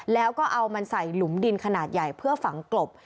แล้วก็เอามันใส่หลุมดินขนาดใหญ่เพื่อฝังกลบ